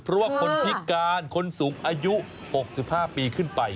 เพราะว่าคนพิการคนสูงอายุ๖๕ปีขึ้นไป